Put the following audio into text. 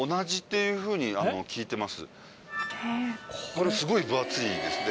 これすごい分厚いですね。